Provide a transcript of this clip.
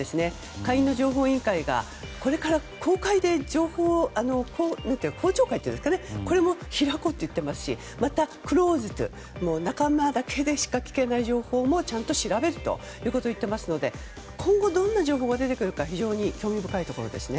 下院の情報委員会がこれから公開で公聴会を開こうといってますしまたクローズドで仲間だけでしか聞けない情報もちゃんと調べると言っていますので今後、どんな情報が出てくるか非常に興味深いですね。